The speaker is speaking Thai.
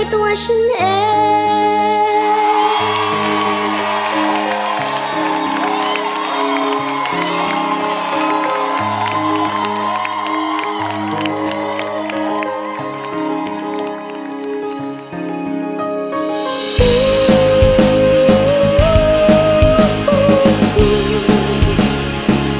ได้เก็บดาวที่สั้นไกล